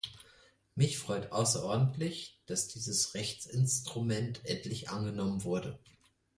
Mich freut außerordentlich, dass dieses Rechtsinstrument endlich angenommen wurde.